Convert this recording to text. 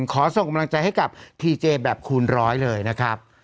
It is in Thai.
ขอส่งกำลังใจให้กับทีเจแบบคูณร้อยเลยนะครับ